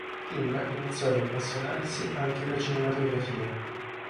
Kim iniziò ad appassionarsi anche alla cinematografia.